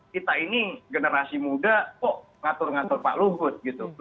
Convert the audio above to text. kita ini generasi muda kok ngatur ngatur pak luhut gitu